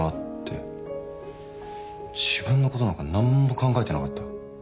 自分のことなんか何も考えてなかった。